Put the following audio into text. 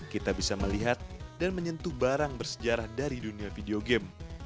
kita bisa melihat dan menyentuh barang bersejarah dari dunia video game